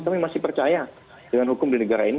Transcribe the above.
kami masih percaya dengan hukum di negara ini